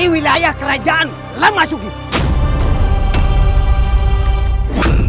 wilayah kerajaan lemah sugi